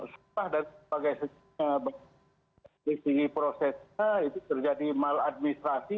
sebagai sebuah prosesnya itu terjadi maladministrasi